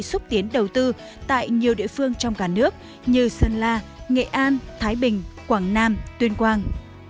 xúc tiến đầu tư tại nhiều địa phương trong cả nước như sơn la nghệ an thái bình quảng nam tuyên quang